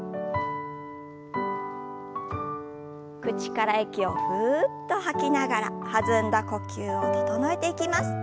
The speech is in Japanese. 口から息をふっと吐きながら弾んだ呼吸を整えていきます。